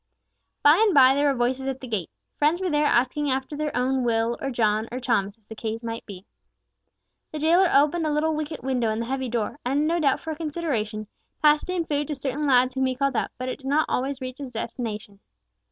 By and by there were voices at the gate. Friends were there asking after their own Will, or John, or Thomas, as the case might be. The jailer opened a little wicket window in the heavy door, and, no doubt for a consideration, passed in food to certain lads whom he called out, but it did not always reach its destination.